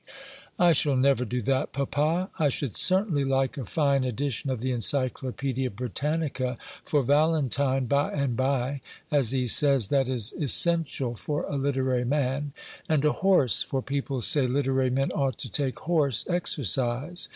"I shall never do that, papa. I should certainly like a fine edition of the Encyclopædia Britannica for Valentine, by and by, as he says that is essential for a literary man; and a horse, for people say literary men ought to take horse exercise.